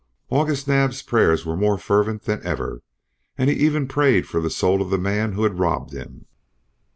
August Naab's prayers were more fervent than ever, and he even prayed for the soul of the man who had robbed him.